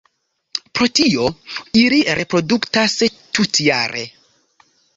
Pro tio, ili reproduktas tutjare.